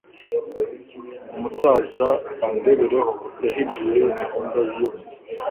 Umusaza Bandebereho yahinduye gahunda yose